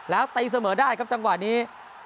แล้วตีเสมอได้ครับจังหวะนี้